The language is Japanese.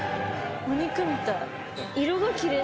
お肉みたい。